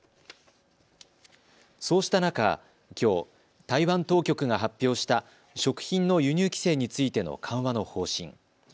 そうした中、きょう台湾当局が発表した食品の輸入規制についての緩和の方針。